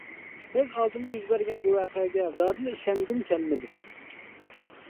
كۆز ئالدىمدا يۈز بەرگەن بۇ ۋەقەگە زادىلا ئىشەنگۈم كەلمىدى.